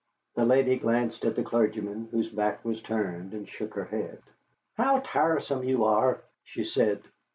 The lady glanced at the clergyman, whose back was turned, and shook her head. "How tiresome you are!" she said.